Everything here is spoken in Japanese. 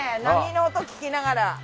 波の音聞きながら。